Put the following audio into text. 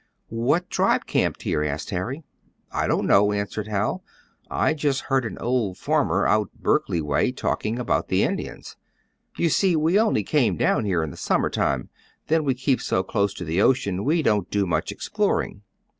"What tribe camped here?" asked Harry. "I don't know," answered Hal. "I just heard an old farmer, out Berkley way, talking about the Indians. You see, we only come down here in the summer time. Then we keep so close to the ocean we don't do much exploring."